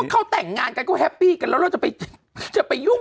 ก็เขาแต่งงานกันก็แฮปปี้กัน